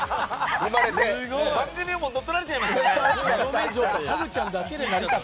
番組を乗っ取られちゃいましたね。